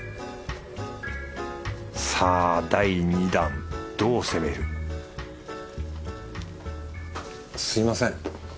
さあ第二弾どう攻める？すみません。